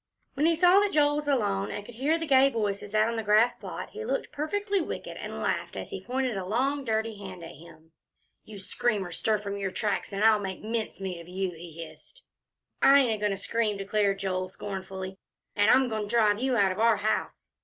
When he saw that Joel was alone, and could hear the gay voices out on the grass plot, he looked perfectly wicked, and he laughed as he pointed a long and dirty hand at him. "You scream, or stir from your tracks, and I'll make mincemeat of you!" he hissed. "I ain't a goin' to scream," declared Joel, scornfully, "an' I'm goin' to drive you out of our house."